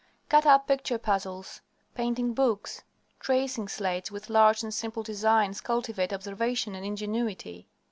Cut up picture puzzles, painting books, tracing slates with large and simple designs cultivate observation and ingenuity.